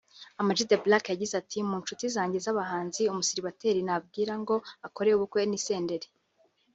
Ama G the Black yagize ati "Mu nshuti zanjye z’abahanzi umusiribateri nabwira ngo akore ubukwe ni Senderi